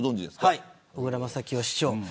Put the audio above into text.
はい、小椋正清市長。